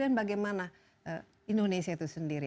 dan bagaimana indonesia itu sendiri